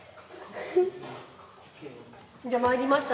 じゃあまいりました